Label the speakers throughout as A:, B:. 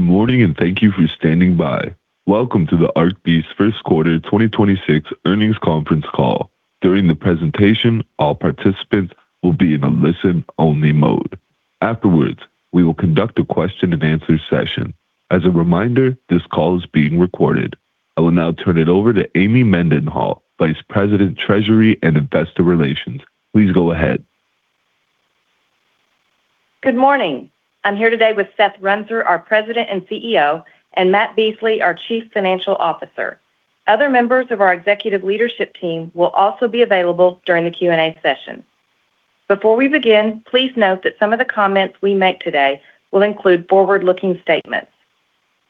A: Good morning, and thank you for standing by. Welcome to the ArcBest First Quarter 2026 Earnings Conference Call. During the presentation, all participants will be in a listen-only mode. Afterwards, we will conduct a question-and-answer session. As a reminder, this call is being recorded. I will now turn it over to Amy Mendenhall, Vice President, Treasury, and Investor Relations. Please go ahead.
B: Good morning. I'm here today with Seth Runser, our President and CEO, and Matt Beasley, our Chief Financial Officer. Other members of our executive leadership team will also be available during the Q&A session. Before we begin, please note that some of the comments we make today will include forward-looking statements.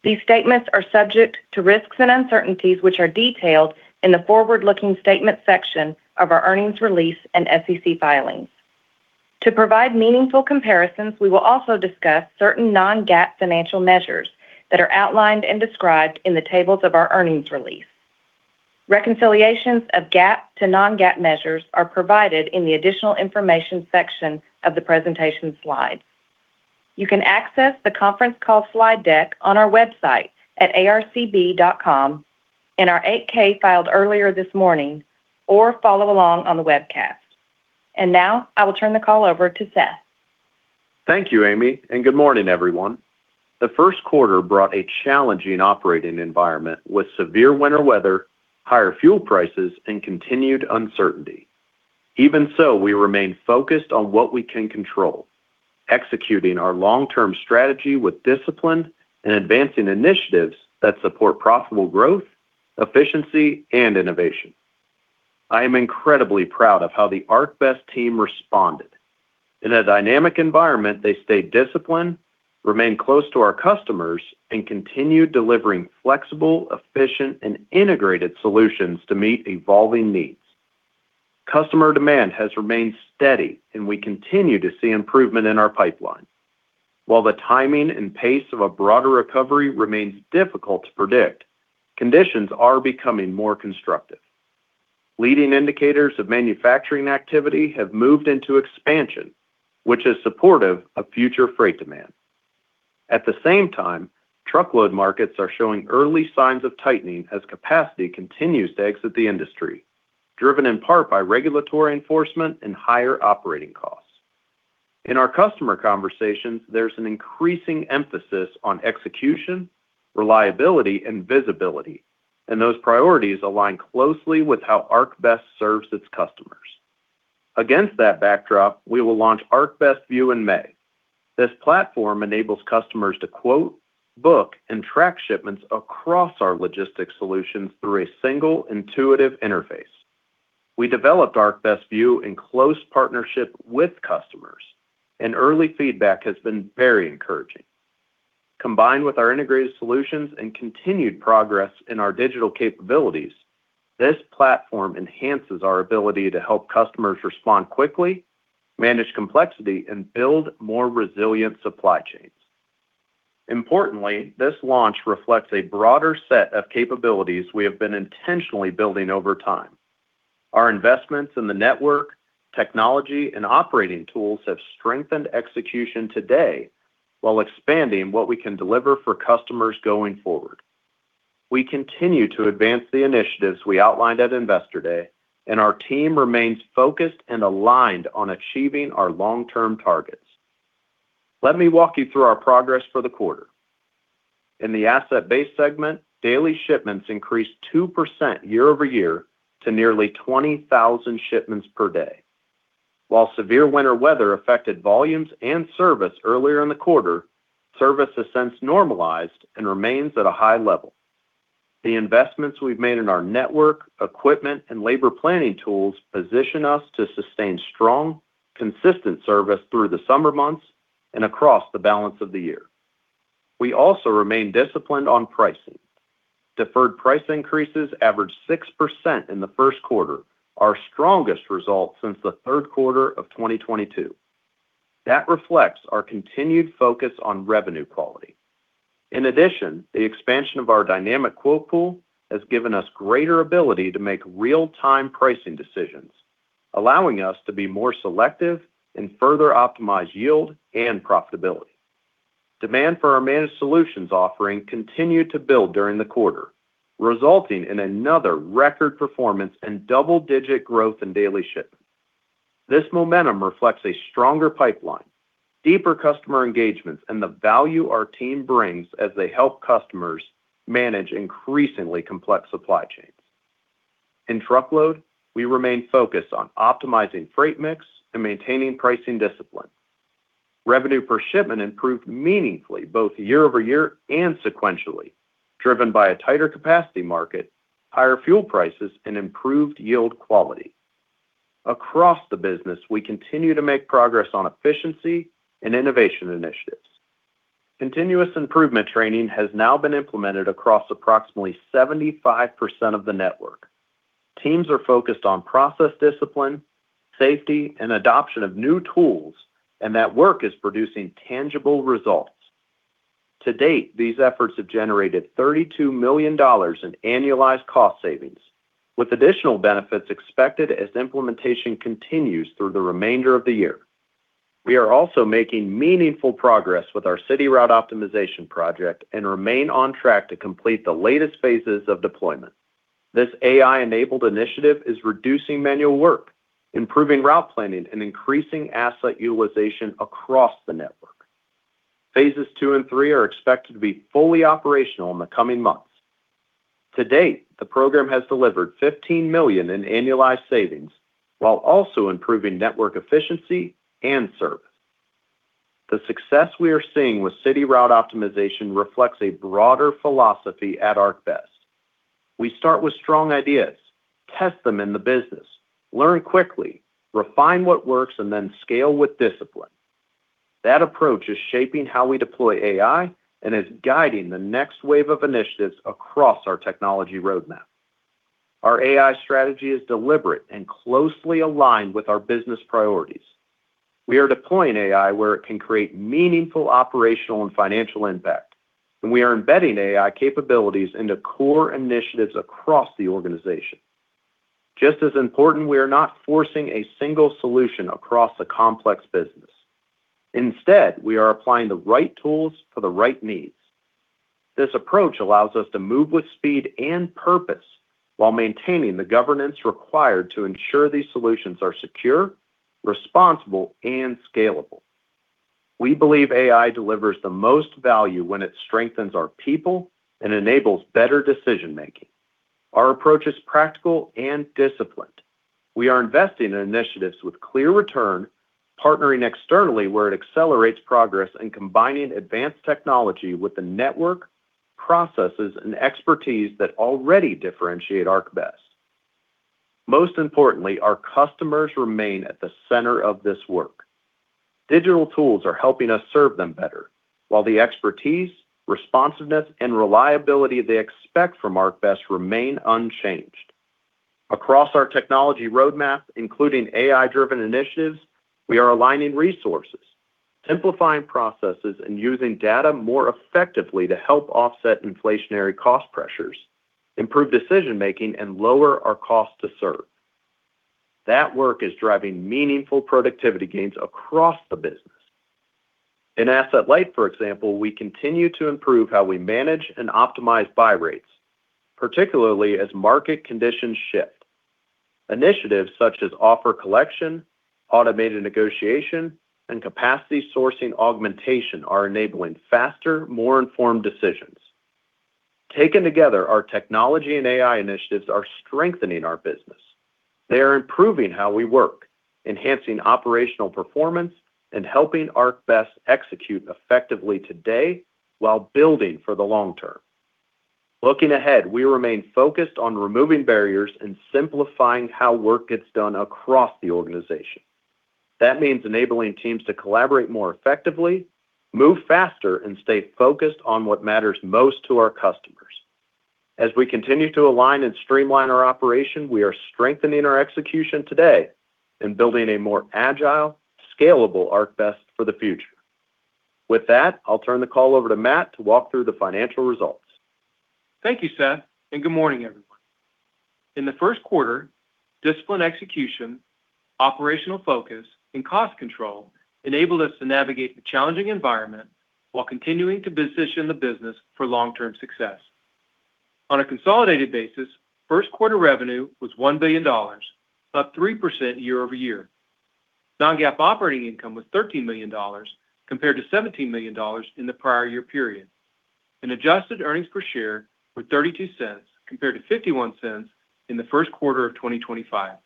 B: These statements are subject to risks and uncertainties, which are detailed in the forward-looking statement section of our earnings release and SEC filings. To provide meaningful comparisons, we will also discuss certain non-GAAP financial measures that are outlined and described in the tables of our earnings release. Reconciliations of GAAP to non-GAAP measures are provided in the additional information section of the presentation slides. You can access the conference call slide deck on our website at arcb.com in our 8-K filed earlier this morning or follow along on the webcast. Now I will turn the call over to Seth.
C: Thank you, Amy, and good morning, everyone. The first quarter brought a challenging operating environment with severe winter weather, higher fuel prices, and continued uncertainty. Even so, we remain focused on what we can control, executing our long-term strategy with discipline and advancing initiatives that support profitable growth, efficiency, and innovation. I am incredibly proud of how the ArcBest team responded. In a dynamic environment, they stayed disciplined, remained close to our customers, and continued delivering flexible, efficient, and integrated solutions to meet evolving needs. Customer demand has remained steady, and we continue to see improvement in our pipeline. While the timing and pace of a broader recovery remains difficult to predict, conditions are becoming more constructive. Leading indicators of manufacturing activity have moved into expansion, which is supportive of future freight demand. At the same time, truckload markets are showing early signs of tightening as capacity continues to exit the industry, driven in part by regulatory enforcement and higher operating costs. In our customer conversations, there's an increasing emphasis on execution, reliability, and visibility, and those priorities align closely with how ArcBest serves its customers. Against that backdrop, we will launch ArcBest View in May. This platform enables customers to quote, book, and track shipments across our logistics solutions through a single intuitive interface. We developed ArcBest View in close partnership with customers, and early feedback has been very encouraging. Combined with our integrated solutions and continued progress in our digital capabilities, this platform enhances our ability to help customers respond quickly, manage complexity, and build more resilient supply chains. Importantly, this launch reflects a broader set of capabilities we have been intentionally building over time. Our investments in the network, technology, and operating tools have strengthened execution today while expanding what we can deliver for customers going forward. We continue to advance the initiatives we outlined at Investor Day, and our team remains focused and aligned on achieving our long-term targets. Let me walk you through our progress for the quarter. In the asset base segment, daily shipments increased 2% year-over-year to nearly 20,000 shipments per day. While severe winter weather affected volumes and service earlier in the quarter, service has since normalized and remains at a high level. The investments we've made in our network, equipment, and labor planning tools position us to sustain strong, consistent service through the summer months and across the balance of the year. We also remain disciplined on pricing. Deferred price increases averaged 6% in the first quarter, our strongest result since the third quarter of 2022. That reflects our continued focus on revenue quality. In addition, the expansion of our dynamic quote pool has given us greater ability to make real-time pricing decisions, allowing us to be more selective and further optimize yield and profitability. Demand for our managed solutions offering continued to build during the quarter, resulting in another record performance and double-digit growth in daily shipments. This momentum reflects a stronger pipeline, deeper customer engagements, and the value our team brings as they help customers manage increasingly complex supply chains. In truckload, we remain focused on optimizing freight mix and maintaining pricing discipline. Revenue per shipment improved meaningfully both year-over-year and sequentially, driven by a tighter capacity market, higher fuel prices, and improved yield quality. Across the business, we continue to make progress on efficiency and innovation initiatives. Continuous improvement training has now been implemented across approximately 75% of the network. Teams are focused on process discipline, safety, and adoption of new tools, and that work is producing tangible results. To date, these efforts have generated $32 million in annualized cost savings. With additional benefits expected as implementation continues through the remainder of the year. We are also making meaningful progress with our city route optimization project and remain on track to complete the latest phases of deployment. This AI-enabled initiative is reducing manual work, improving route planning, and increasing asset utilization across the network. Phases two and three are expected to be fully operational in the coming months. To date, the program has delivered $15 million in annualized savings while also improving network efficiency and service. The success we are seeing with city route optimization reflects a broader philosophy at ArcBest. We start with strong ideas, test them in the business, learn quickly, refine what works, and then scale with discipline. That approach is shaping how we deploy AI and is guiding the next wave of initiatives across our technology roadmap. Our AI strategy is deliberate and closely aligned with our business priorities. We are deploying AI where it can create meaningful operational and financial impact, and we are embedding AI capabilities into core initiatives across the organization. Just as important, we are not forcing a single solution across a complex business. Instead, we are applying the right tools for the right needs. This approach allows us to move with speed and purpose while maintaining the governance required to ensure these solutions are secure, responsible, and scalable. We believe AI delivers the most value when it strengthens our people and enables better decision-making. Our approach is practical and disciplined. We are investing in initiatives with clear return, partnering externally where it accelerates progress, and combining advanced technology with the network, processes, and expertise that already differentiate ArcBest. Most importantly, our customers remain at the center of this work. Digital tools are helping us serve them better, while the expertise, responsiveness, and reliability they expect from ArcBest remain unchanged. Across our technology roadmap, including AI-driven initiatives, we are aligning resources, simplifying processes, and using data more effectively to help offset inflationary cost pressures, improve decision-making, and lower our cost to serve. That work is driving meaningful productivity gains across the business. In Asset-Light, for example, we continue to improve how we manage and optimize buy rates, particularly as market conditions shift. Initiatives such as offer collection, automated negotiation, and capacity sourcing augmentation are enabling faster, more informed decisions. Taken together, our technology and AI initiatives are strengthening our business. They are improving how we work, enhancing operational performance, and helping ArcBest execute effectively today while building for the long term. Looking ahead, we remain focused on removing barriers and simplifying how work gets done across the organization. That means enabling teams to collaborate more effectively, move faster, and stay focused on what matters most to our customers. As we continue to align and streamline our operation, we are strengthening our execution today and building a more agile, scalable ArcBest for the future. With that, I'll turn the call over to Matt to walk through the financial results.
D: Thank you, Seth. Good morning, everyone. In the first quarter, disciplined execution, operational focus, and cost control enabled us to navigate the challenging environment while continuing to position the business for long-term success. On a consolidated basis, first quarter revenue was $1 billion, up 3% year-over-year. Non-GAAP operating income was $13 million compared to $17 million in the prior year period. Adjusted earnings per share were $0.32 compared to $0.51 in the first quarter of 2025.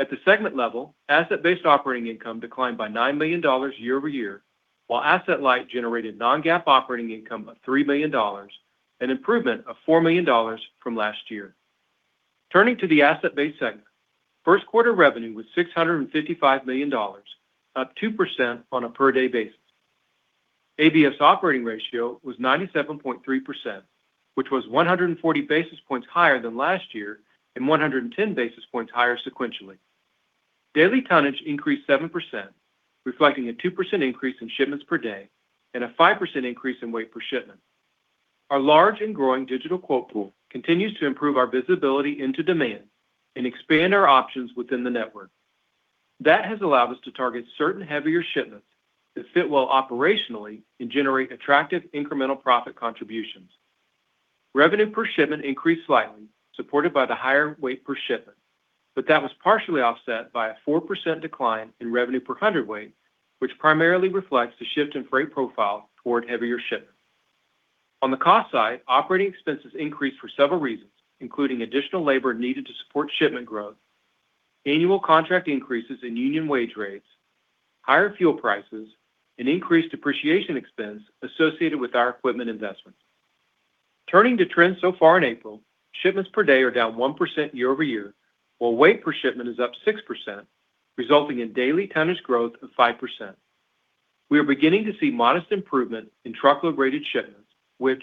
D: At the segment level, Asset-Based operating income declined by $9 million year-over-year, while Asset-Light generated non-GAAP operating income of $3 million, an improvement of $4 million from last year. Turning to the Asset-Based segment, first quarter revenue was $655 million, up 2% on a per-day basis. ABS operating ratio was 97.3%, which was 140 basis points higher than last year and 110 basis points higher sequentially. Daily tonnage increased 7%, reflecting a 2% increase in shipments per day and a 5% increase in weight per shipment. Our large and growing digital quote pool continues to improve our visibility into demand and expand our options within the network. That has allowed us to target certain heavier shipments that fit well operationally and generate attractive incremental profit contributions. Revenue per shipment increased slightly, supported by the higher weight per shipment, but that was partially offset by a 4% decline in revenue per hundred weight, which primarily reflects the shift in freight profile toward heavier shipments. On the cost side, operating expenses increased for several reasons, including additional labor needed to support shipment growth, annual contract increases in union wage rates, higher fuel prices, and increased depreciation expense associated with our equipment investments. Turning to trends so far in April, shipments per day are down 1% year-over-year, while weight per shipment is up 6%, resulting in daily tonnage growth of 5%. We are beginning to see modest improvement in truckload-rated shipments, which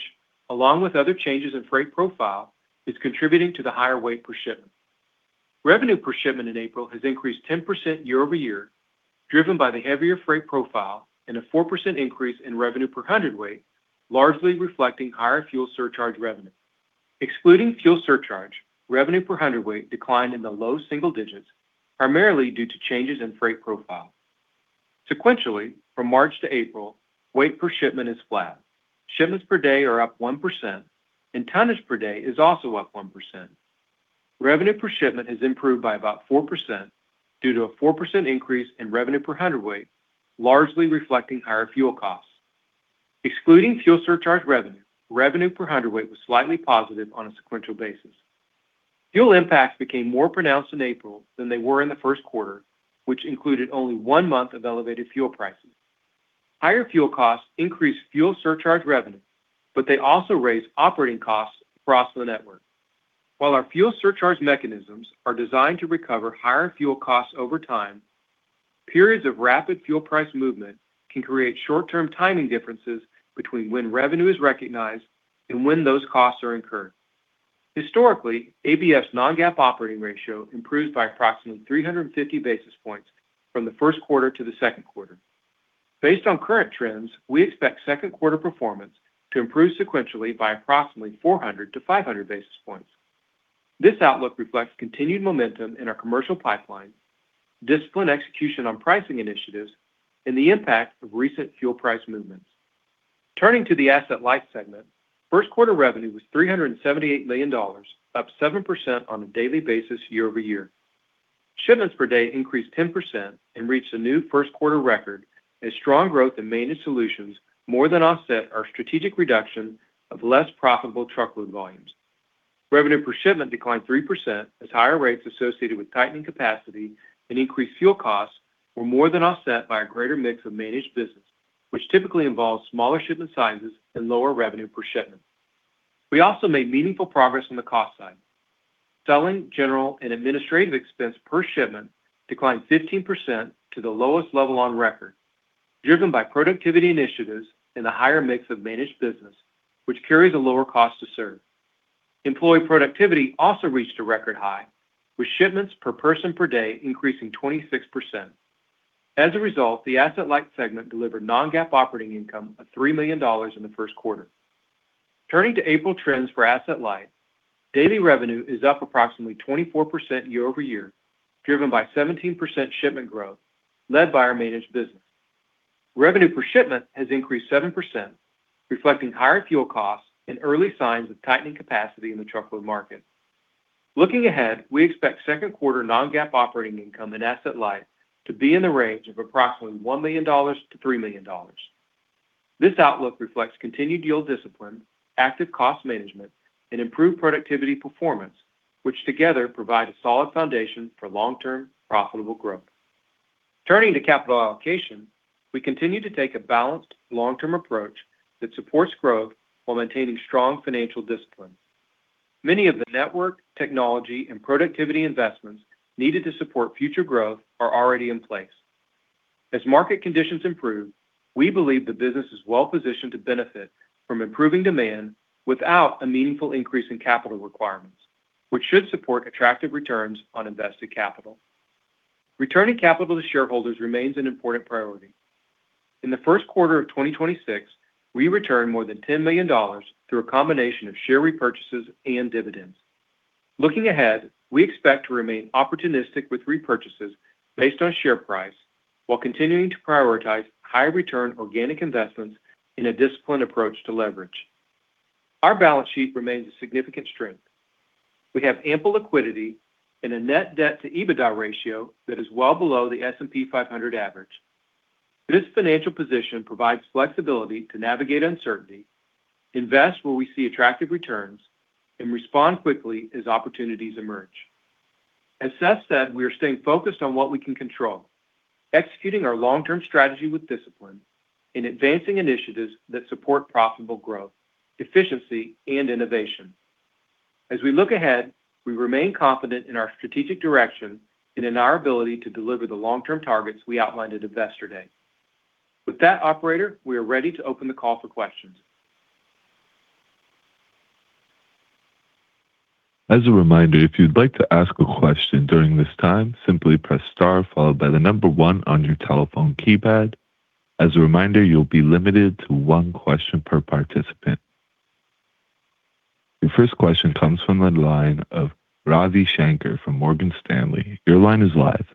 D: along with other changes in freight profile, is contributing to the higher weight per shipment. Revenue per shipment in April has increased 10% year-over-year, driven by the heavier freight profile and a 4% increase in revenue per hundredweight, largely reflecting higher fuel surcharge revenue. Excluding fuel surcharge, revenue per hundredweight declined in the low single digits, primarily due to changes in freight profile. Sequentially, from March to April, weight per shipment is flat. Shipments per day are up 1% and tonnage per day is also up 1%. Revenue per shipment has improved by about 4% due to a 4% increase in revenue per hundredweight, largely reflecting higher fuel costs. Excluding fuel surcharge revenue per hundredweight was slightly positive on a sequential basis. Fuel impacts became more pronounced in April than they were in the first quarter, which included only one month of elevated fuel prices. Higher fuel costs increased fuel surcharge revenue, but they also raised operating costs across the network. While our fuel surcharge mechanisms are designed to recover higher fuel costs over time, periods of rapid fuel price movement can create short-term timing differences between when revenue is recognized and when those costs are incurred. Historically, ABF's non-GAAP operating ratio improves by approximately 350 basis points from the first quarter to the second quarter. Based on current trends, we expect second quarter performance to improve sequentially by approximately 400 basis points-500 basis points. This outlook reflects continued momentum in our commercial pipeline, disciplined execution on pricing initiatives, and the impact of recent fuel price movements. Turning to the Asset-Light segment, first quarter revenue was $378 million, up 7% on a daily basis year-over-year. Shipments per day increased 10% and reached a new first quarter record as strong growth in managed solutions more than offset our strategic reduction of less profitable truckload volumes. Revenue per shipment declined 3% as higher rates associated with tightening capacity and increased fuel costs were more than offset by a greater mix of managed business, which typically involves smaller shipment sizes and lower revenue per shipment. We also made meaningful progress on the cost side. Selling, general, and administrative expense per shipment declined 15% to the lowest level on record, driven by productivity initiatives and the higher mix of managed business, which carries a lower cost to serve. Employee productivity also reached a record high, with shipments per person per day increasing 26%. As a result, the Asset-Light segment delivered non-GAAP operating income of $3 million in the first quarter. Turning to April trends for Asset-Light, daily revenue is up approximately 24% year-over-year, driven by 17% shipment growth led by our managed business. Revenue per shipment has increased 7%, reflecting higher fuel costs and early signs of tightening capacity in the truckload market. Looking ahead, we expect second quarter non-GAAP operating income in Asset-Light to be in the range of approximately $1 million-$3 million. This outlook reflects continued yield discipline, active cost management, and improved productivity performance, which together provide a solid foundation for long-term profitable growth. Turning to capital allocation, we continue to take a balanced long-term approach that supports growth while maintaining strong financial discipline. Many of the network, technology, and productivity investments needed to support future growth are already in place. As market conditions improve, we believe the business is well-positioned to benefit from improving demand without a meaningful increase in capital requirements, which should support attractive returns on invested capital. Returning capital to shareholders remains an important priority. In the first quarter of 2026, we returned more than $10 million through a combination of share repurchases and dividends. Looking ahead, we expect to remain opportunistic with repurchases based on share price while continuing to prioritize high return organic investments in a disciplined approach to leverage. Our balance sheet remains a significant strength. We have ample liquidity and a net debt to EBITDA ratio that is well below the S&P 500 average. This financial position provides flexibility to navigate uncertainty, invest where we see attractive returns, and respond quickly as opportunities emerge. As Seth said, we are staying focused on what we can control, executing our long-term strategy with discipline, and advancing initiatives that support profitable growth, efficiency, and innovation. As we look ahead, we remain confident in our strategic direction and in our ability to deliver the long-term targets we outlined at Investor Day. With that, operator, we are ready to open the call for questions.
A: As a reminder, if you'd like to ask a question during this time, simply press star followed by the number one on your telephone keypad. As a reminder, you'll be limited to one question per participant. Your first question comes from the line of Ravi Shanker from Morgan Stanley. Your line is live.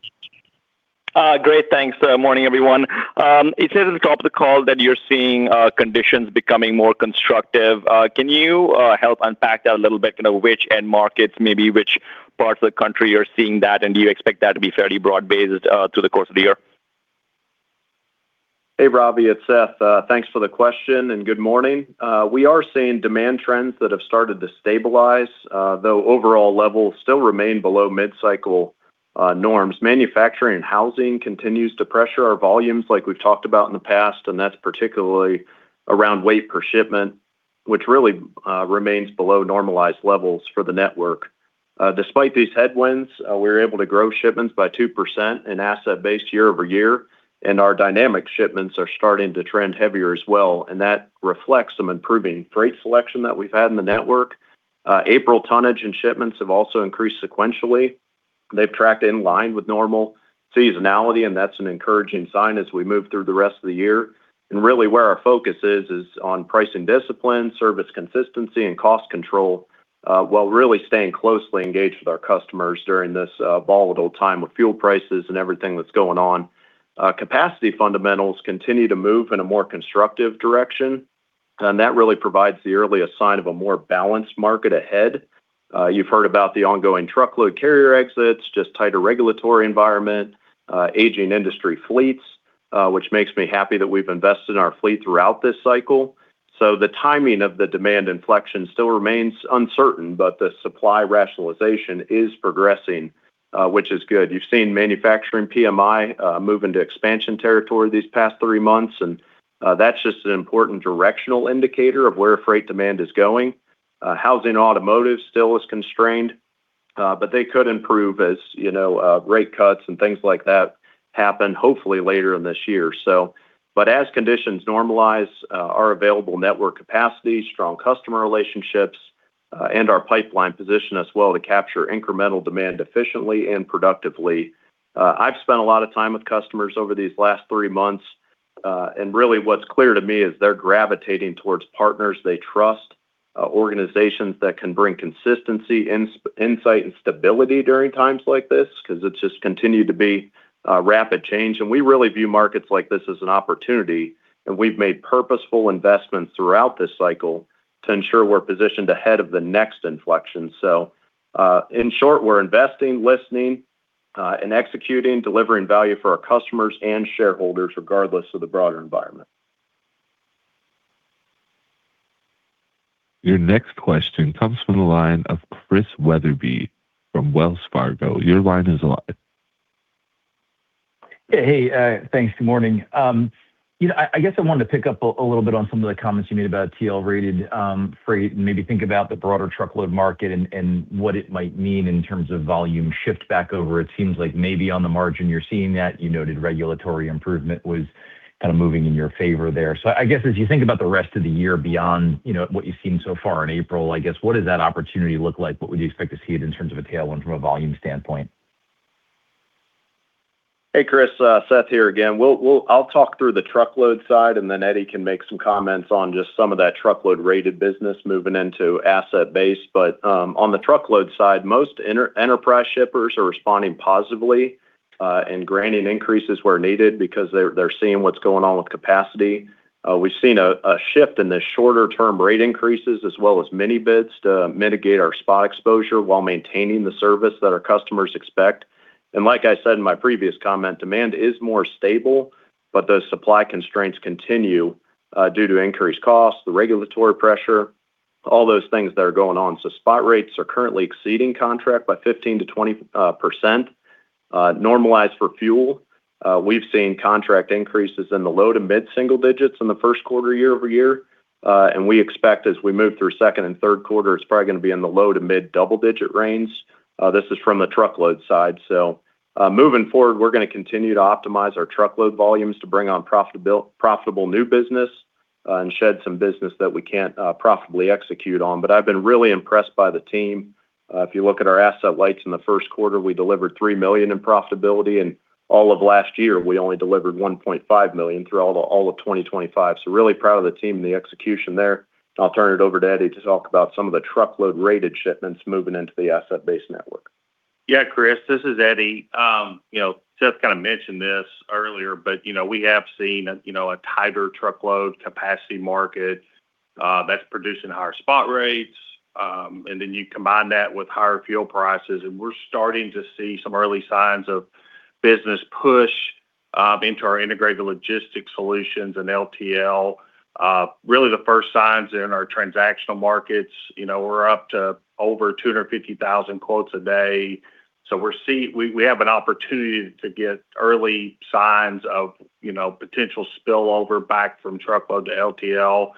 E: Great. Thanks. Morning, everyone. It says at the top of the call that you're seeing conditions becoming more constructive. Can you help unpack that a little bit? You know, which end markets, maybe which parts of the country you're seeing that, and do you expect that to be fairly broad-based through the course of the year?
C: Hey, Ravi. It's Seth. Thanks for the question and good morning. We are seeing demand trends that have started to stabilize, though overall levels still remain below mid-cycle norms. Manufacturing and housing continues to pressure our volumes like we've talked about in the past. That's particularly around weight per shipment, which really remains below normalized levels for the network. Despite these headwinds, we were able to grow shipments by 2% in Asset-Based year-over-year. Our dynamic shipments are starting to trend heavier as well. That reflects some improving freight selection that we've had in the network. April tonnage and shipments have also increased sequentially. They've tracked in line with normal seasonality, and that's an encouraging sign as we move through the rest of the year. Really where our focus is on pricing discipline, service consistency and cost control, while really staying closely engaged with our customers during this volatile time with fuel prices and everything that's going on. Capacity fundamentals continue to move in a more constructive direction, and that really provides the earliest sign of a more balanced market ahead. You've heard about the ongoing truckload carrier exits, just tighter regulatory environment, aging industry fleets, which makes me happy that we've invested in our fleet throughout this cycle. The timing of the demand inflection still remains uncertain, but the supply rationalization is progressing, which is good. You've seen manufacturing PMI move into expansion territory these past three months. That's just an important directional indicator of where freight demand is going. Housing automotive still is constrained. They could improve as, you know, rate cuts and things like that happen hopefully later in this year. As conditions normalize, our available network capacity, strong customer relationships, and our pipeline position as well to capture incremental demand efficiently and productively. I've spent a lot of time with customers over these last three months. Really what's clear to me is they're gravitating towards partners they trust, organizations that can bring consistency, insight and stability during times like this because it's just continued to be a rapid change. We really view markets like this as an opportunity, and we've made purposeful investments throughout this cycle to ensure we're positioned ahead of the next inflection. In short, we're investing, listening, and executing, delivering value for our customers and shareholders regardless of the broader environment.
A: Your next question comes from the line of Chris Wetherbee from Wells Fargo. Your line is live.
F: Hey, thanks. Good morning. you know, I guess I wanted to pick up a little bit on some of the comments you made about TL-rated freight and maybe think about the broader truckload market and what it might mean in terms of volume shift back over. It seems like maybe on the margin you're seeing that. You noted regulatory improvement was kind of moving in your favor there. I guess as you think about the rest of the year beyond, you know, what you've seen so far in April, I guess, what does that opportunity look like? What would you expect to see it in terms of a tailwind from a volume standpoint?
C: Hey, Chris, Seth here again. I'll talk through the truckload side, and then Eddie can make some comments on just some of that truckload rated business moving into asset base. On the truckload side, most enterprise shippers are responding positively and granting increases where needed because they're seeing what's going on with capacity. We've seen a shift in the shorter term rate increases as well as mini bids to mitigate our spot exposure while maintaining the service that our customers expect. Like I said in my previous comment, demand is more stable, but the supply constraints continue due to increased costs, the regulatory pressure, all those things that are going on. Spot rates are currently exceeding contract by 15%-20%. Normalized for fuel, we've seen contract increases in the low to mid single-digits in the first quarter year-over-year. We expect as we move through second and third quarter, it's probably going to be in the low to mid double-digit range. This is from the truckload side. Moving forward, we're going to continue to optimize our truckload volumes to bring on profitable new business and shed some business that we can't profitably execute on. I've been really impressed by the team. If you look at our asset-light in the first quarter, we delivered $3 million in profitability, and all of last year, we only delivered $1.5 million through all of 2025. Really proud of the team and the execution there. I'll turn it over to Eddie to talk about some of the truckload rated shipments moving into the asset base network.
G: Yeah, Chris, this is Eddie. You know, Seth kind of mentioned this earlier, we have seen a tighter truckload capacity market that's producing higher spot rates. You combine that with higher fuel prices, we're starting to see some early signs of business push into our integrated logistics solutions and LTL. Really the first signs in our transactional markets. You know, we're up to over 250,000 quotes a day. We have an opportunity to get early signs of, you know, potential spillover back from truckload to LTL.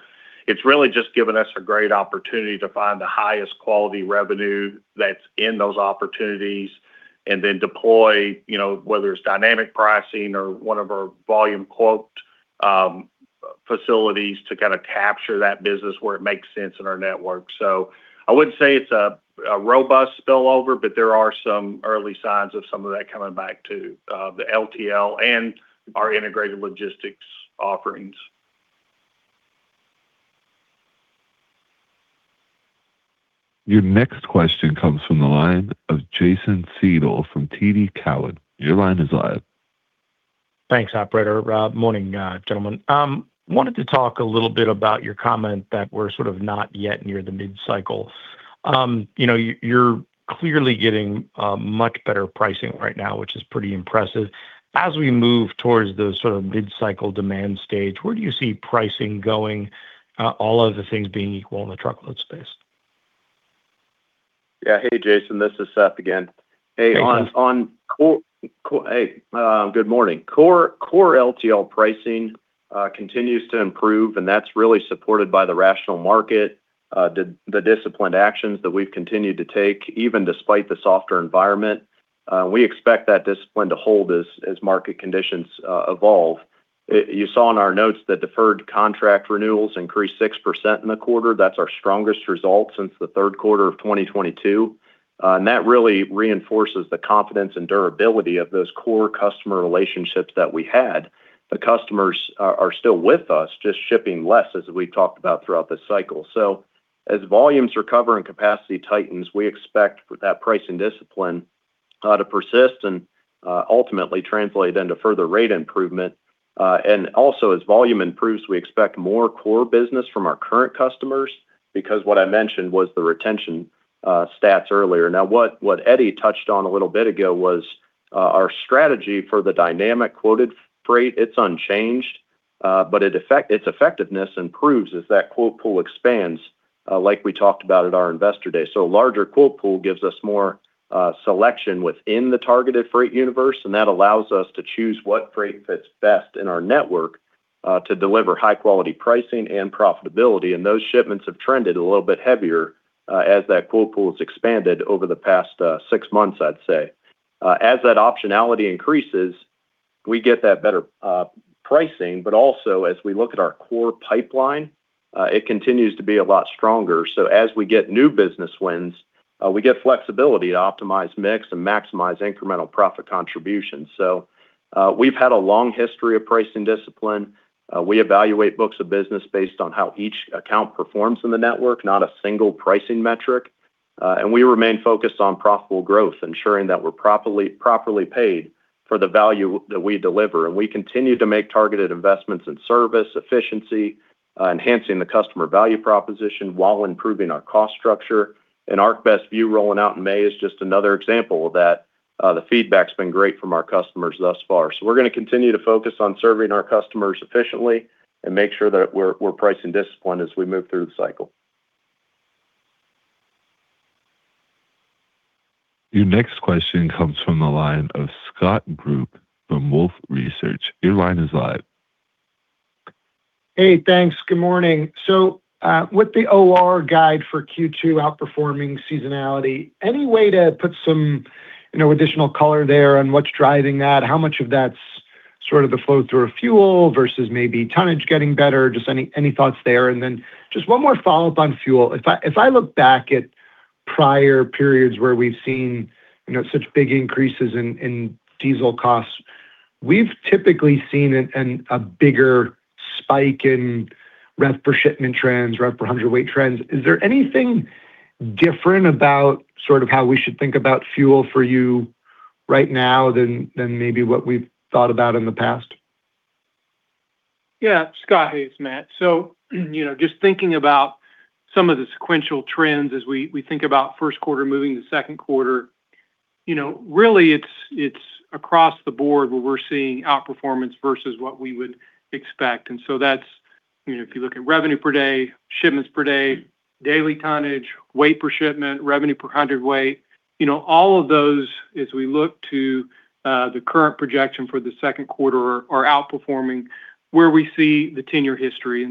G: It's really just given us a great opportunity to find the highest quality revenue that's in those opportunities and then deploy, you know, whether it's dynamic pricing or one of our volume quote facilities to kind of capture that business where it makes sense in our network. I wouldn't say it's a robust spillover, but there are some early signs of some of that coming back to the LTL and our integrated logistics offerings.
A: Your next question comes from the line of Jason Seidl from TD Cowen. Your line is live.
H: Thanks, operator. Morning, gentlemen. Wanted to talk a little bit about your comment that we're sort of not yet near the mid-cycle. You know, you're clearly getting much better pricing right now, which is pretty impressive. As we move towards the sort of mid-cycle demand stage, where do you see pricing going, all of the things being equal in the truckload space?
C: Yeah. Hey, Jason. This is Seth again.
H: Thank you.
C: Good morning. Core LTL pricing continues to improve. That's really supported by the rational market, the disciplined actions that we've continued to take, even despite the softer environment. We expect that discipline to hold as market conditions evolve. You saw in our notes that deferred contract renewals increased 6% in the quarter. That's our strongest result since the third quarter of 2022. That really reinforces the confidence and durability of those core customer relationships that we had. The customers are still with us, just shipping less, as we've talked about throughout this cycle. As volumes recover and capacity tightens, we expect that pricing discipline to persist and ultimately translate into further rate improvement. Also, as volume improves, we expect more core business from our current customers because what I mentioned was the retention stats earlier. What Eddie touched on a little bit ago was our strategy for the dynamic quoted freight. It's unchanged, but its effectiveness improves as that quote pool expands, like we talked about at our Investor Day. A larger quote pool gives us more selection within the targeted freight universe, and that allows us to choose what freight fits best in our network to deliver high quality pricing and profitability. Those shipments have trended a little bit heavier as that quote pool has expanded over the past six months, I'd say. As that optionality increases, we get that better pricing. As we look at our core pipeline, it continues to be a lot stronger. As we get new business wins, we get flexibility to optimize mix and maximize incremental profit contribution. We've had a long history of pricing discipline. We evaluate books of business based on how each account performs in the network, not a single pricing metric. And we remain focused on profitable growth, ensuring that we're properly paid for the value that we deliver. We continue to make targeted investments in service efficiency, enhancing the customer value proposition while improving our cost structure. ArcBest View rolling out in May is just another example of that. The feedback's been great from our customers thus far. We're going to continue to focus on serving our customers efficiently and make sure that we're pricing disciplined as we move through the cycle.
A: Your next question comes from the line of Scott Group from Wolfe Research. Your line is live.
I: Hey, thanks. Good morning. With the OR guide for Q2 outperforming seasonality, any way to put some, you know, additional color there on what's driving that? How much of that's sort of the flow through of fuel versus maybe tonnage getting better? Just any thoughts there? Just one more follow-up on fuel. If I look back at prior periods where we've seen, you know, such big increases in diesel costs, we've typically seen a bigger spike in rev per shipment trends, rev per hundred weight trends. Is there anything different about sort of how we should think about fuel for you right now than maybe what we've thought about in the past?
D: Scott, hey, it's Matt. You know, just thinking about some of the sequential trends as we think about first quarter moving to second quarter. You know, really it's across the board where we're seeing outperformance versus what we would expect. That's, you know, if you look at revenue per day, shipments per day, daily tonnage, weight per shipment, revenue per hundred weight. You know, all of those, as we look to the current projection for the second quarter, are outperforming where we see the 10-year history.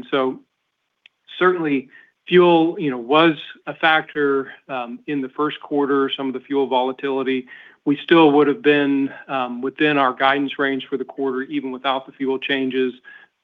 D: Certainly fuel, you know, was a factor in the first quarter, some of the fuel volatility. We still would have been within our guidance range for the quarter, even without the fuel changes.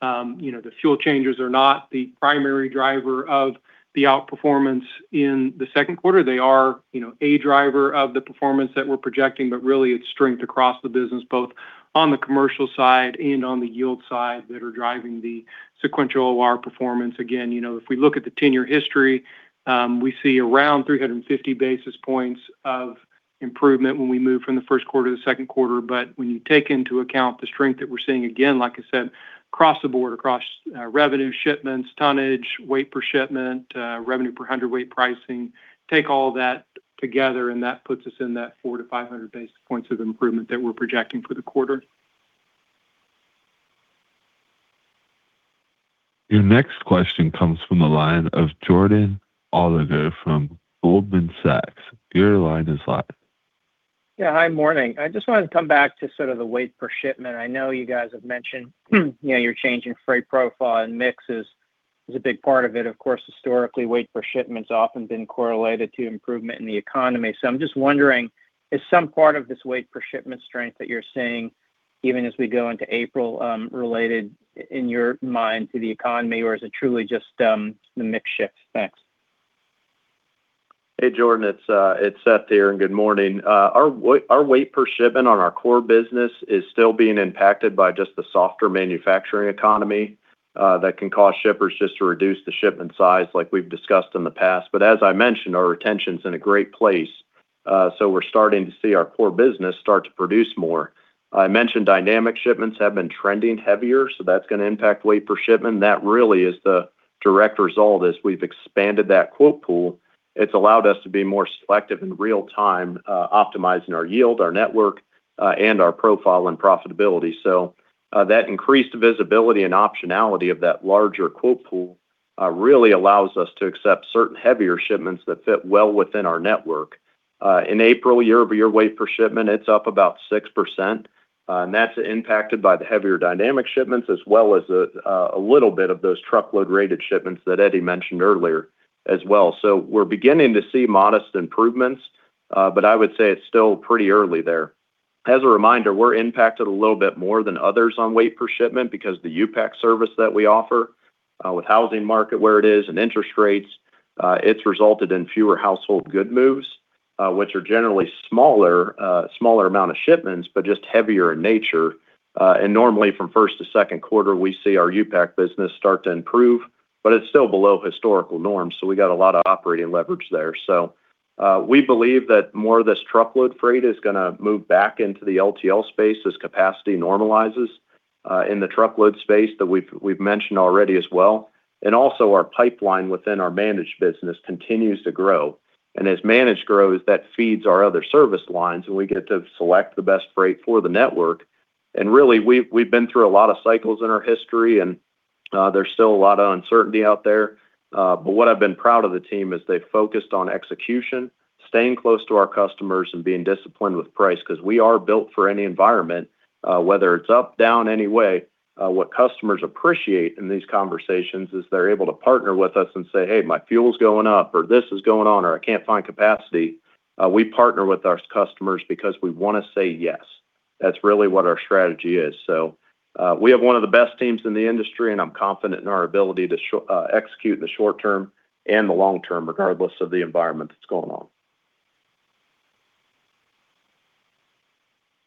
D: You know, the fuel changes are not the primary driver of the outperformance in the second quarter. They are, you know, a driver of the performance that we're projecting, but really it's strength across the business, both on the commercial side and on the yield side that are driving the sequential OR performance. Again, you know, if we look at the tenure history, we see around 350 basis points of improvement when we move from the first quarter to the second quarter. When you take into account the strength that we're seeing, again, like I said, across the board, across revenue, shipments, tonnage, weight per shipment, revenue per hundred weight pricing, take all that together, and that puts us in that 400 basis points-500 basis points of improvement that we're projecting for the quarter.
A: Your next question comes from the line of Jordan Alliger from Goldman Sachs. Your line is live.
J: Yeah. Hi, morning. I just wanted to come back to sort of the weight per shipment. I know you guys have mentioned, you know, your change in freight profile and mix is a big part of it. Of course, historically, weight per shipment's often been correlated to improvement in the economy. I'm just wondering, is some part of this weight per shipment strength that you're seeing even as we go into April, related in your mind to the economy, or is it truly just the mix shift? Thanks.
C: Hey, Jordan, it's Seth here, good morning. Our weight per shipment on our core business is still being impacted by just the softer manufacturing economy, that can cause shippers just to reduce the shipment size like we've discussed in the past. As I mentioned, our retention's in a great place, so we're starting to see our core business start to produce more. I mentioned dynamic shipments have been trending heavier, so that's going to impact weight per shipment. That really is the direct result as we've expanded that quote pool. It's allowed us to be more selective in real time, optimizing our yield, our network, and our profile and profitability. That increased visibility and optionality of that larger quote pool, really allows us to accept certain heavier shipments that fit well within our network. In April, year-over-year weight per shipment, it's up about 6%, and that's impacted by the heavier dynamic shipments as well as a little bit of those truckload rated shipments that Eddie mentioned earlier as well. We're beginning to see modest improvements. But I would say it's still pretty early there. As a reminder, we're impacted a little bit more than others on weight per shipment because the U-Pack service that we offer, with housing market where it is and interest rates, it's resulted in fewer household good moves, which are generally smaller amount of shipments, but just heavier in nature. Normally from first to second quarter, we see our U-Pack business start to improve, but it's still below historical norms, we got a lot of operating leverage there. We believe that more of this truckload freight is gonna move back into the LTL space as capacity normalizes in the truckload space that we've mentioned already as well. Also our pipeline within our managed business continues to grow. As managed grows, that feeds our other service lines, and we get to select the best freight for the network. Really, we've been through a lot of cycles in our history, and there's still a lot of uncertainty out there. What I've been proud of the team is they've focused on execution, staying close to our customers, and being disciplined with price 'cause we are built for any environment, whether it's up, down, any way. What customers appreciate in these conversations is they're able to partner with us and say, "Hey, my fuel's going up," or, "This is going on," or, "I can't find capacity." We partner with our customers because we want to say yes. That's really what our strategy is. We have one of the best teams in the industry, and I'm confident in our ability to execute in the short term and the long term, regardless of the environment that's going on.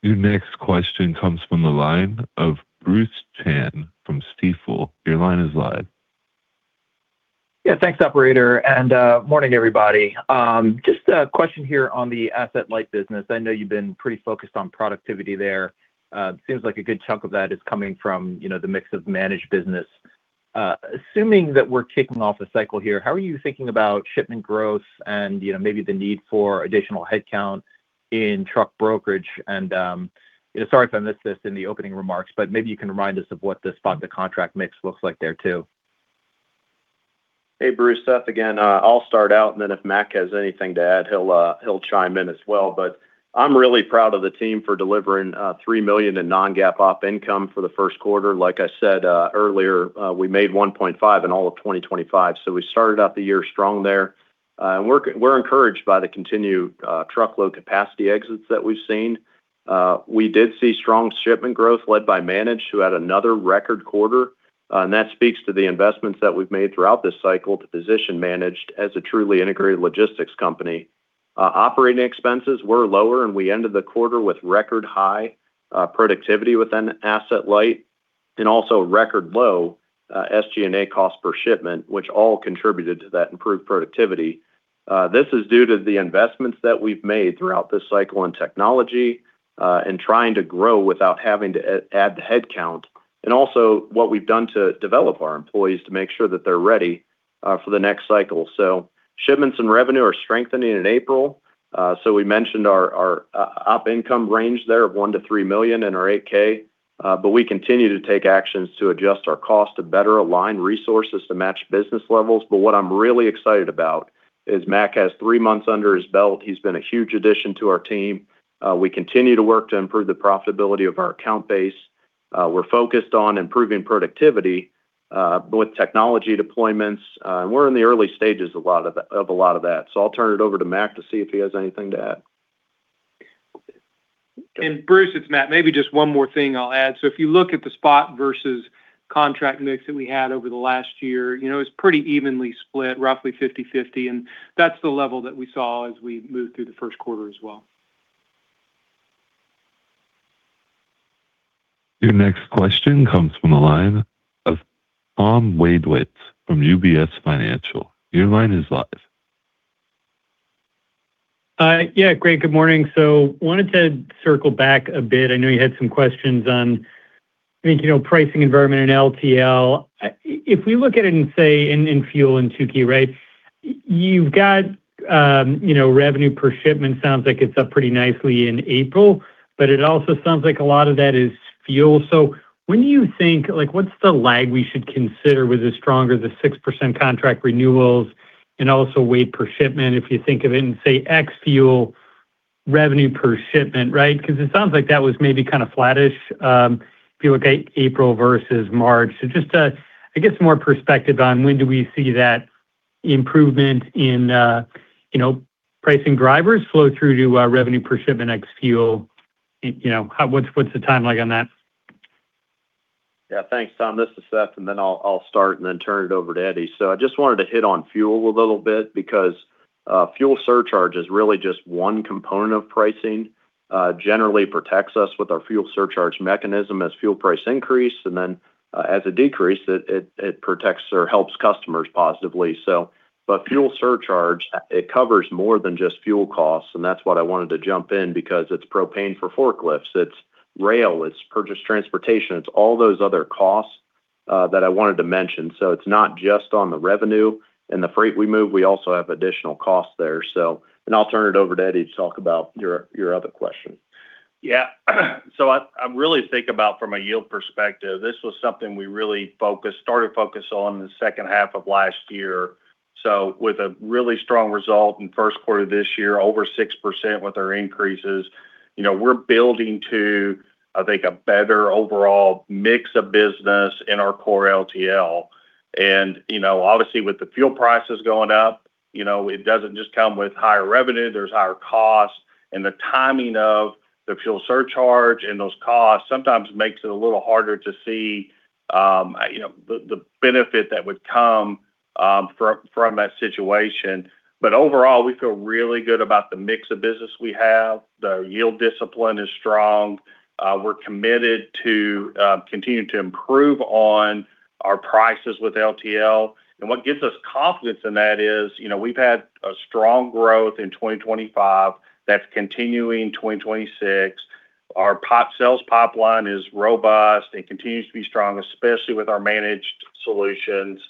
A: Your next question comes from the line of Bruce Chan from Stifel. Your line is live.
K: Yeah. Thanks, operator, and morning, everybody. Just a question here on the Asset-Light business. I know you've been pretty focused on productivity there. Seems like a good chunk of that is coming from, you know, the mix of managed business. Assuming that we're kicking off a cycle here, how are you thinking about shipment growth and, you know, maybe the need for additional headcount in truck brokerage? Sorry if I missed this in the opening remarks, maybe you can remind us of what the spot to contract mix looks like there too.
C: Hey, Bruce. Seth again. I'll start out, and then if Matt has anything to add, he'll chime in as well. I'm really proud of the team for delivering $3 million in non-GAAP op income for the first quarter. Like I said earlier, we made $1.5 million in all of 2025, so we started out the year strong there. We're encouraged by the continued truckload capacity exits that we've seen. We did see strong shipment growth led by Managed, who had another record quarter. That speaks to the investments that we've made throughout this cycle to position Managed as a truly integrated logistics company. Operating expenses were lower, we ended the quarter with record high productivity within Asset-Light and also record low SG&A cost per shipment, which all contributed to that improved productivity. This is due to the investments that we've made throughout this cycle in technology, in trying to grow without having to add the headcount, and also what we've done to develop our employees to make sure that they're ready for the next cycle. Shipments and revenue are strengthening in April. We mentioned our op income range there of $1 million-$3 million in our 8-K, we continue to take actions to adjust our cost to better align resources to match business levels. What I'm really excited about is Matt has three months under his belt. He's been a huge addition to our team. We continue to work to improve the profitability of our account base. We're focused on improving productivity, with technology deployments. We're in the early stages a lot of that. I'll turn it over to Matt to see if he has anything to add.
D: Bruce, it's Matt. Maybe just one more thing I'll add. If you look at the spot versus contract mix that we had over the last year, you know, it's pretty evenly split, roughly 50/50, and that's the level that we saw as we moved through the first quarter as well.
A: Your next question comes from the line of Tom Wadewitz from UBS Financial.
L: Yeah. Great. Good morning. Wanted to circle back a bit. I know you had some questions on, I think, you know, pricing environment and LTL. If we look at it in, say, in fuel and trucking, right, you've got, you know, revenue per shipment sounds like it's up pretty nicely in April, but it also sounds like a lot of that is fuel. When you think, like, what's the lag we should consider with the stronger the 6% contract renewals and also weight per shipment if you think of it in, say, ex fuel revenue per shipment, right? Because it sounds like that was maybe kind of flattish if you look at April versus March. Just to get some more perspective on when do we see that improvement in, you know, pricing drivers flow through to revenue per shipment ex fuel. You know, what's the timeline on that?
C: Thanks, Tom. This is Seth. I'll start, then turn it over to Eddie. I just wanted to hit on fuel a little bit because fuel surcharge is really just one component of pricing. Generally protects us with our fuel surcharge mechanism as fuel price increase, as a decrease, it protects or helps customers positively. Fuel surcharge, it covers more than just fuel costs, and that's what I wanted to jump in because it's propane for forklifts, it's rail, it's purchased transportation. It's all those other costs that I wanted to mention. It's not just on the revenue and the freight we move. We also have additional costs there. I'll turn it over to Eddie to talk about your other question.
G: Yeah. I really think about from a yield perspective, this was something we really started to focus on the second half of last year. With a really strong result in first quarter this year, over 6% with our increases, you know, we're building to, I think, a better overall mix of business in our core LTL. You know, obviously with the fuel prices going up, you know, it doesn't just come with higher revenue, there's higher costs. The timing of the fuel surcharge and those costs sometimes makes it a little harder to see, you know, the benefit that would come from that situation. Overall, we feel really good about the mix of business we have. The yield discipline is strong. We're committed to continuing to improve on our prices with LTL. What gives us confidence in that is, you know, we've had a strong growth in 2025. That's continuing 2026. Our sales pipeline is robust and continues to be strong, especially with our managed solutions.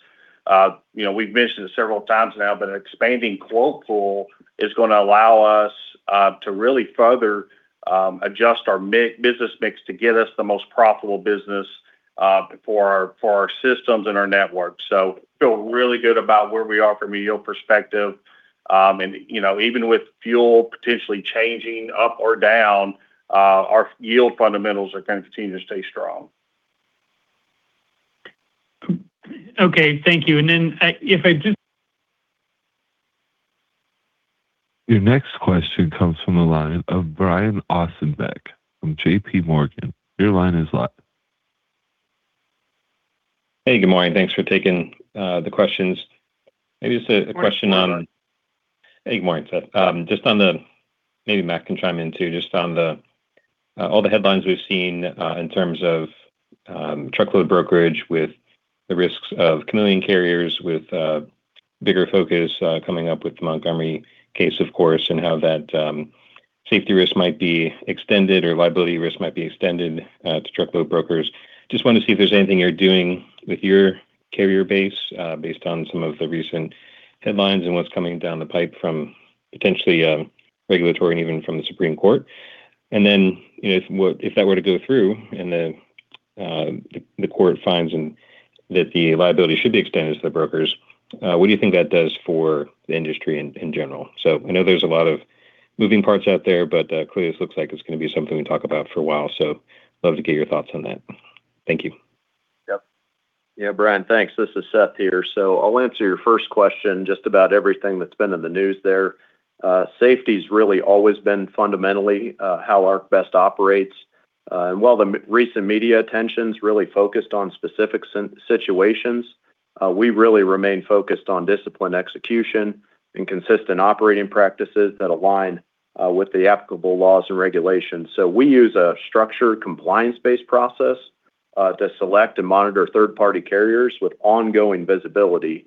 G: You know, we've mentioned this several times now, but an expanding quote pool is gonna allow us to really further adjust our business mix to get us the most profitable business for our systems and our networks. Feel really good about where we are from a yield perspective. You know, even with fuel potentially changing up or down, our yield fundamentals are going to continue to stay strong.
L: Okay. Thank you, and then, if I just.
A: Your next question comes from the line of Brian Ossenbeck from JPMorgan. Your line is live.
M: Hey, good morning. Thanks for taking the questions. Maybe just a question on.
C: Good morning.
M: Hey, good morning, Seth. Just on the, maybe Matt can chime in too, just on the all the headlines we've seen in terms of truckload brokerage with the risks of chameleon carriers, with bigger focus coming up with the Montgomery case, of course, and how that safety risk might be extended or liability risk might be extended to truckload brokers. Just want to see if there's anything you're doing with your carrier base, based on some of the recent headlines and what's coming down the pipe from potentially regulatory and even from the Supreme Court. You know, if that were to go through and the the court finds and that the liability should be extended to the brokers, what do you think that does for the industry in general? I know there's a lot of moving parts out there, but, clearly this looks like it's going to be something we talk about for a while, so love to get your thoughts on that. Thank you.
C: Yep. Yeah, Brian, thanks. This is Seth here. I'll answer your first question just about everything that's been in the news there. Safety's really always been fundamentally how ArcBest operates. While the recent media attention's really focused on specific situations, we really remain focused on disciplined execution and consistent operating practices that align with the applicable laws and regulations. We use a structured compliance-based process to select and monitor third-party carriers with ongoing visibility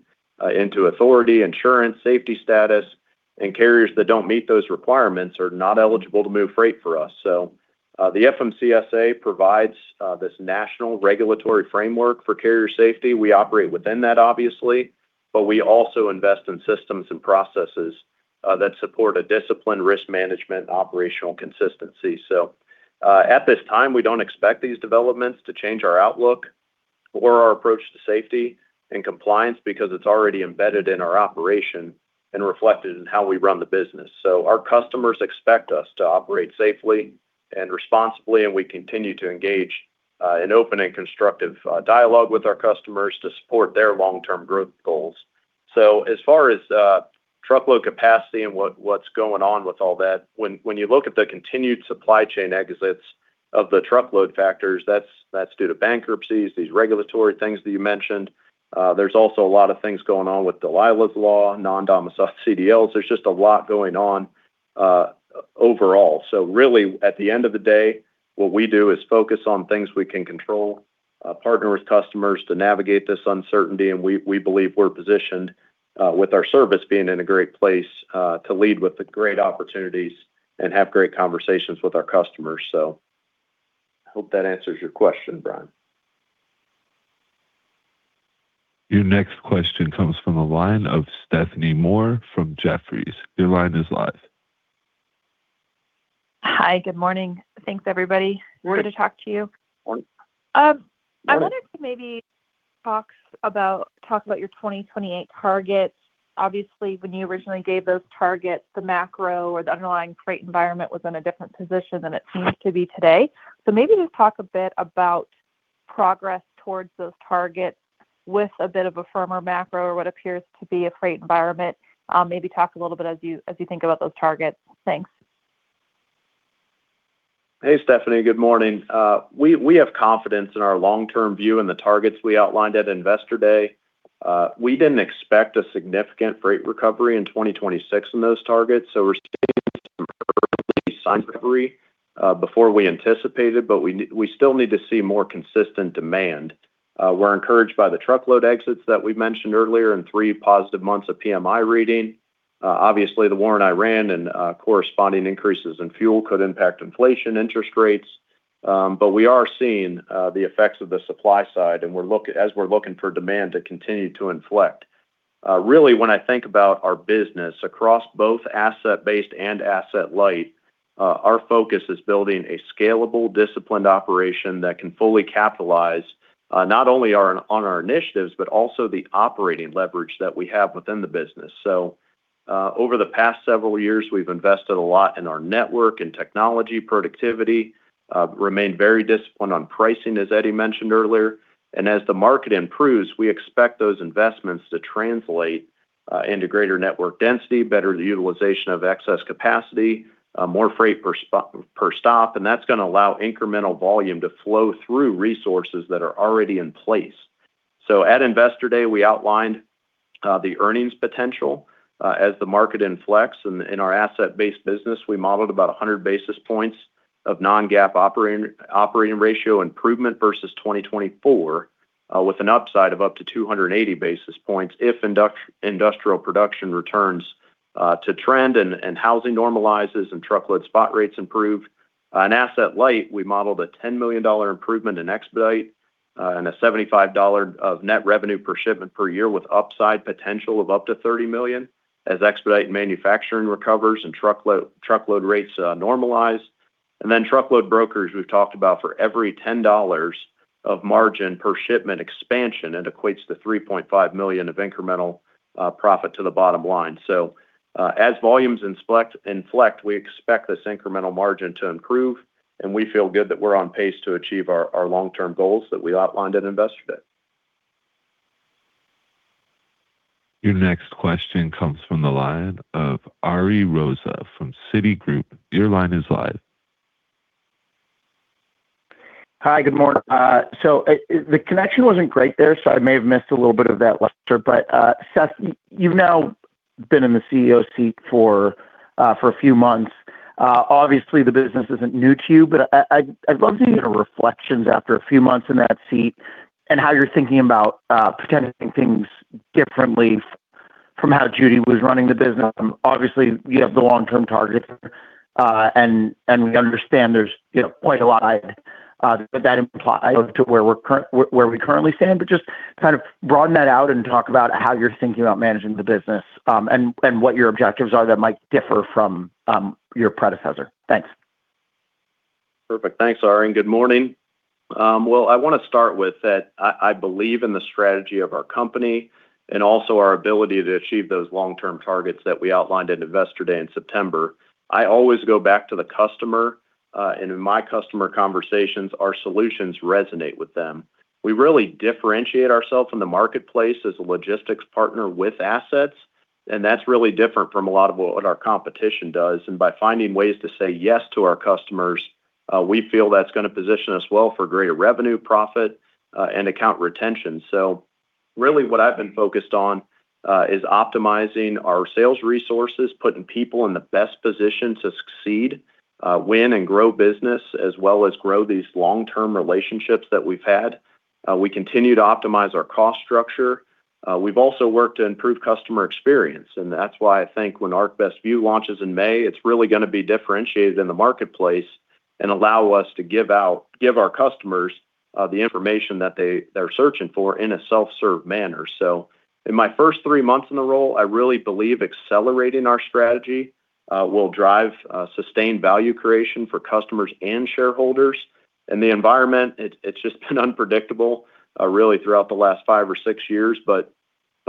C: into authority, insurance, safety status. Carriers that don't meet those requirements are not eligible to move freight for us. The FMCSA provides this national regulatory framework for carrier safety. We operate within that, obviously, but we also invest in systems and processes that support a disciplined risk management and operational consistency. At this time, we don't expect these developments to change our outlook or our approach to safety and compliance because it's already embedded in our operation and reflected in how we run the business. Our customers expect us to operate safely and responsibly, and we continue to engage in open and constructive dialogue with our customers to support their long-term growth goals. As far as truckload capacity and what's going on with all that, when you look at the continued supply chain exits of the truckload factors, that's due to bankruptcies, these regulatory things that you mentioned. There's also a lot of things going on with Delilah's Law, non-domiciled CDLs. There's just a lot going on overall. Really at the end of the day, what we do is focus on things we can control, partner with customers to navigate this uncertainty, and we believe we're positioned with our service being in a great place to lead with the great opportunities and have great conversations with our customers. I hope that answers your question, Brian.
A: Your next question comes from the line of Stephanie Moore from Jefferies. Your line is live.
N: Hi. Good morning. Thanks, everybody. Good to talk to you. I wanted to maybe talk about your 2028 targets. Obviously, when you originally gave those targets, the macro or the underlying freight environment was in a different position than it seems to be today. Maybe just talk a bit about progress towards those targets with a bit of a firmer macro or what appears to be a freight environment. Maybe talk a little bit as you think about those targets. Thanks.
C: Hey, Stephanie. Good morning. We have confidence in our long-term view and the targets we outlined at Investor Day. We didn't expect a significant freight recovery in 2026 in those targets, we're seeing some early signs of recovery before we anticipated, but we still need to see more consistent demand. We're encouraged by the truckload exits that we mentioned earlier and three positive months of PMI reading. Obviously, the war in Iran and corresponding increases in fuel could impact inflation interest rates. We are seeing the effects of the supply side, and as we're looking for demand to continue to inflect. Really when I think about our business across both Asset-Based and Asset-Light, our focus is building a scalable, disciplined operation that can fully capitalize, not only on our initiatives, but also the operating leverage that we have within the business. Over the past several years, we've invested a lot in our network and technology productivity, remained very disciplined on pricing, as Eddie mentioned earlier. As the market improves, we expect those investments to translate into greater network density, better utilization of excess capacity, more freight per per stop, and that's gonna allow incremental volume to flow through resources that are already in place. At Investor Day, we outlined the earnings potential. As the market inflex in our asset-based business, we modeled about 100 basis points of non-GAAP operating ratio improvement versus 2024, with an upside of up to 280 basis points if industrial production returns to trend and housing normalizes and truckload spot rates improve. In Asset-Light, we modeled a $10 million improvement in expedite and a $75 of net revenue per shipment per year with upside potential of up to $30 million as expedite and manufacturing recovers and truckload rates normalize. Truckload brokers, we've talked about for every $10 of margin per shipment expansion, it equates to $3.5 million of incremental profit to the bottom line. As volumes inflect, we expect this incremental margin to improve, and we feel good that we're on pace to achieve our long-term goals that we outlined at Investor Day.
A: Your next question comes from the line of Ari Rosa from Citigroup. Your line is live.
O: Hi. Good morning. The connection wasn't great there, so I may have missed a little bit of that lecture. Seth, you've now been in the CEO seat for a few months. Obviously, the business isn't new to you, but I'd love to hear your reflections after a few months in that seat and how you're thinking about positioning things differently from how Judy was running the business. Obviously you have the long-term targets, and we understand there's, you know, quite a lot that implies to where we currently stand. Just kind of broaden that out and talk about how you're thinking about managing the business, and what your objectives are that might differ from your predecessor? Thanks.
C: Perfect. Thanks, Ari, good morning. Well, I believe in the strategy of our company and also our ability to achieve those long-term targets that we outlined at Investor Day in September. I always go back to the customer, in my customer conversations, our solutions resonate with them. We really differentiate ourselves in the marketplace as a logistics partner with assets, that's really different from a lot of what our competition does. By finding ways to say yes to our customers, we feel that's going to position us well for greater revenue, profit, and account retention. Really what I've been focused on is optimizing our sales resources, putting people in the best position to succeed, win and grow business, as well as grow these long-term relationships that we've had. We continue to optimize our cost structure. We've also worked to improve customer experience, and that's why I think when ArcBest View launches in May, it's really going to be differentiated in the marketplace and allow us to give our customers the information that they're searching for in a self-serve manner. In my first three months in the role, I really believe accelerating our strategy will drive sustained value creation for customers and shareholders. The environment, it's just been unpredictable, really throughout the last five or six years, but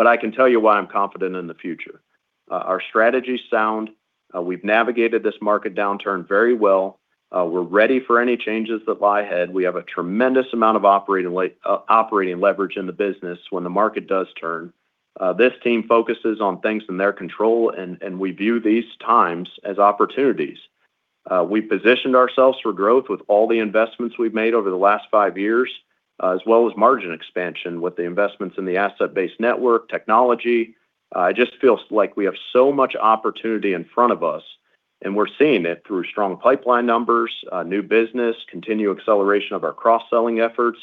C: I can tell you why I'm confident in the future. Our strategy's sound. We've navigated this market downturn very well. We're ready for any changes that lie ahead. We have a tremendous amount of operating leverage in the business when the market does turn. This team focuses on things in their control, and we view these times as opportunities. We positioned ourselves for growth with all the investments we've made over the last five years, as well as margin expansion with the investments in the asset-based network technology. It just feels like we have so much opportunity in front of us, and we're seeing it through strong pipeline numbers, new business, continued acceleration of our cross-selling efforts.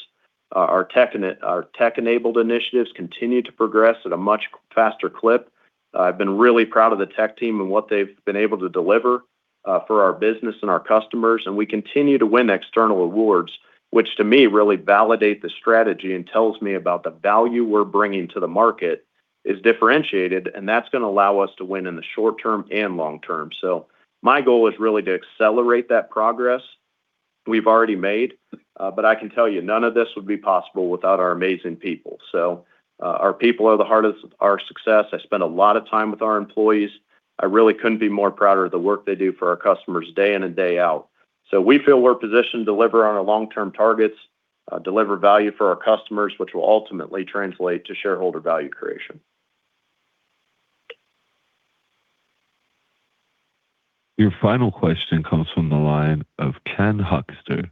C: Our tech-enabled initiatives continue to progress at a much faster clip. I've been really proud of the tech team and what they've been able to deliver for our business and our customers. We continue to win external awards, which to me really validate the strategy and tells me about the value we're bringing to the market is differentiated, and that's going to allow us to win in the short term and long term. My goal is really to accelerate that progress we've already made. I can tell you none of this would be possible without our amazing people. Our people are the heart of our success. I spend a lot of time with our employees. I really couldn't be more prouder of the work they do for our customers day in and day out. We feel we're positioned to deliver on our long-term targets, deliver value for our customers, which will ultimately translate to shareholder value creation.
A: Your final question comes from the line of Ken Hoexter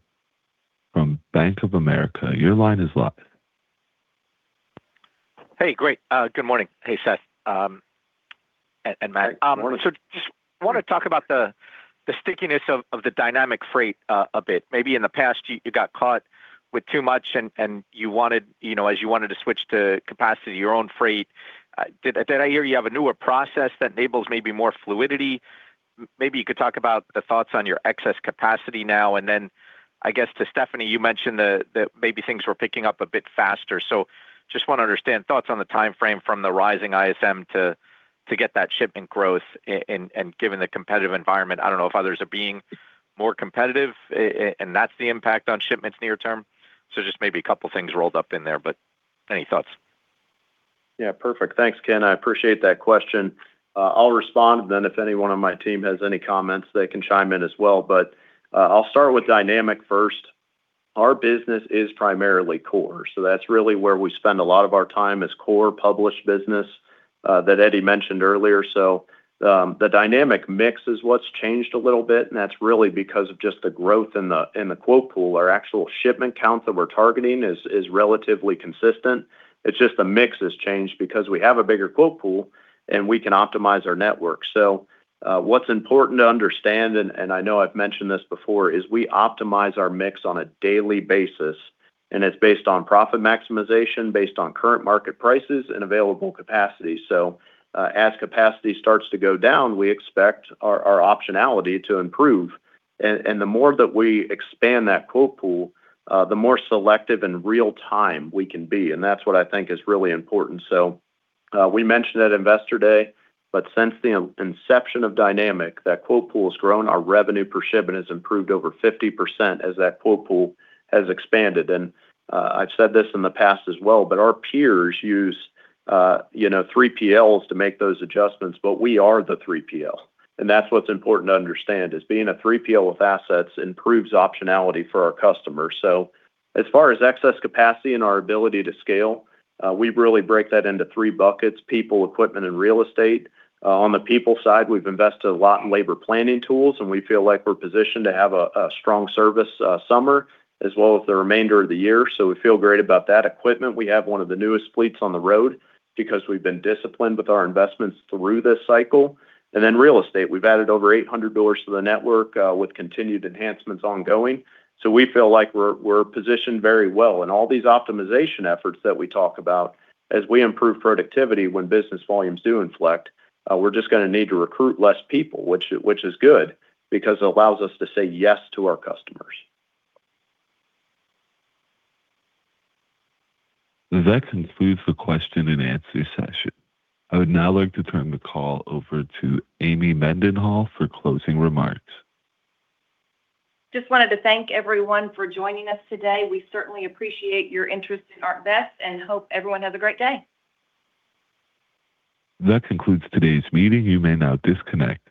A: from Bank of America. Your line is live.
P: Hey, great. Good morning. Hey, Seth, and Matt.
C: Morning.
P: Just want to talk about the stickiness of the dynamic freight a bit. Maybe in the past you got caught with too much and you wanted, you know, as you wanted to switch to capacity, your own freight. Did I hear you have a newer process that enables maybe more fluidity? Maybe you could talk about the thoughts on your excess capacity now and then. I guess to Stephanie, you mentioned that maybe things were picking up a bit faster. Just want to understand thoughts on the timeframe from the rising ISM to get that shipment growth and given the competitive environment. I don't know if others are being more competitive and that's the impact on shipments near term. Just maybe a couple things rolled up in there. Any thoughts?
C: Yeah, perfect. Thanks, Ken. I appreciate that question. I'll respond if any one on my team has any comments, they can chime in as well. I'll start with dynamic first. Our business is primarily core, that's really where we spend a lot of our time as core published business that Eddie mentioned earlier. The dynamic mix is what's changed a little bit, and that's really because of just the growth in the quote pool. Our actual shipment count that we're targeting is relatively consistent. It's just the mix has changed because we have a bigger quote pool, and we can optimize our network. What's important to understand and I know I've mentioned this before, is we optimize our mix on a daily basis, and it's based on profit maximization, based on current market prices and available capacity. As capacity starts to go down, we expect our optionality to improve. The more that we expand that quote pool, the more selective in real time we can be, and that's what I think is really important. We mentioned at Investor Day, but since the inception of dynamic, that quote pool has grown. Our revenue per shipment has improved over 50% as that quote pool has expanded. I've said this in the past as well, but our peers use, you know, 3PLs to make those adjustments, but we are the 3PL. That's what's important to understand, is being a 3PL with assets improves optionality for our customers. As far as excess capacity and our ability to scale, we really break that into three buckets: people, equipment, and real estate. On the people side, we've invested a lot in labor planning tools, and we feel like we're positioned to have a strong service summer as well as the remainder of the year. We feel great about that. Equipment, we have one of the newest fleets on the road because we've been disciplined with our investments through this cycle. Then real estate, we've added over 800 doors to the network, with continued enhancements ongoing. We feel like we're positioned very well. All these optimization efforts that we talk about as we improve productivity when business volumes do inflect, we're just gonna need to recruit less people, which is good because it allows us to say yes to our customers.
A: That concludes the question and answer session. I would now like to turn the call over to Amy Mendenhall for closing remarks.
B: Just wanted to thank everyone for joining us today. We certainly appreciate your interest in ArcBest and hope everyone has a great day.
A: That concludes today's meeting. You may now disconnect.